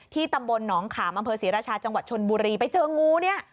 ที่ตำบลน้องขามศรีราชาจังหวัดชนบุรีไปเจองูนี่